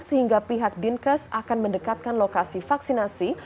sehingga pihak dinkes akan mendekatkan lokasi vaksinasi